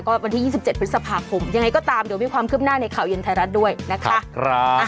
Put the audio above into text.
วันที่๒๗พฤษภาคมยังไงก็ตามเดี๋ยวมีความคืบหน้าในข่าวเย็นไทยรัฐด้วยนะคะ